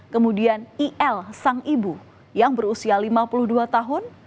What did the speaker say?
kemudian il sang ibu yang berusia lima puluh dua tahun